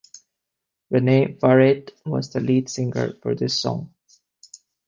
Rene Farrait was the lead singer for this song.